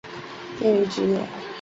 业余职业